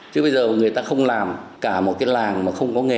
chứ bây giờ người ta không làm cả một cái làng mà không có nghề